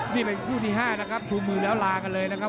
นี่เป็นคู่ที่๕นะครับชูมือแล้วลากันเลยนะครับ